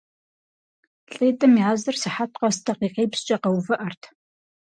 ЛӀитӀым языр сыхьэт къэс дакъикъипщӀкӀэ къэувыӀэрт.